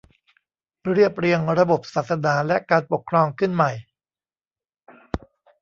เรียบเรียงระบบศาสนาและการปกครองขึ้นใหม่